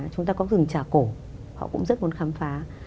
chúng ta có rừng trà cổ họ cũng rất muốn khám phá